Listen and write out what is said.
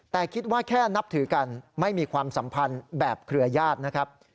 แต่คิดว่าแค่นับถือกันไม่มีความสัมพันธ์แบบเครือญาตินะครับ